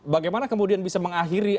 bagaimana kemudian bisa mengakhiri